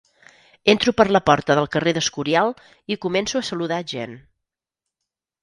Entro per la porta del carrer d'Escorial i començo a saludar gent.